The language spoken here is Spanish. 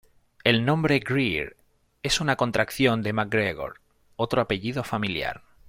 El nombre "Greer" es una contracción de "MacGregor", otro apellido familiar.